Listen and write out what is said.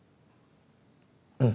うん。